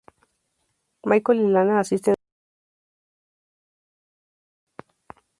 Michael y Lane asisten a escuelas en Nueva York.